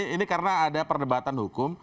ini karena ada perdebatan hukum